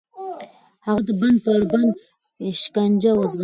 هغه د بند پر بند شکنجه وزغمله.